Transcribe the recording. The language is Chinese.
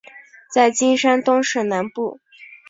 在今山东省南部。